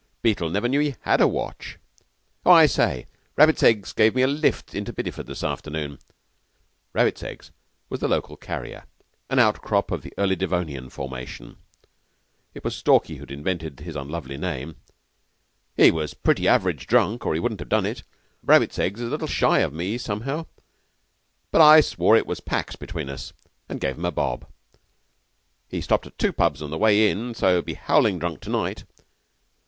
Beetle never knew he had a watch. Oh, I say, Rabbits Eggs gave me a lift into Bideford this afternoon." Rabbits Eggs was the local carrier an outcrop of the early Devonian formation. It was Stalky who had invented his unlovely name. "He was pretty average drunk, or he wouldn't have done it. Rabbits Eggs is a little shy of me, somehow. But I swore it was pax between us, and gave him a bob. He stopped at two pubs on the way in, so he'll be howling drunk to night.